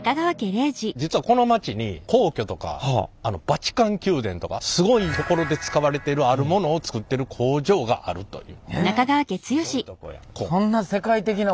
実はこの町に皇居とかバチカン宮殿とかすごい所で使われてるあるものを作ってる工場があるという。